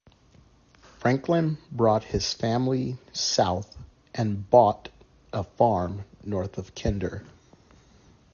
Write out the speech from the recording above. Franklin brought his family south and bought a farm north of Kinder.